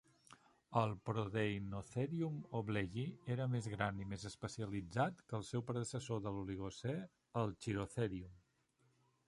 El Prodeinotherium hobleyi era més gran i més especialitzat que el seu predecessor de l'oligocè, el Chilotherium.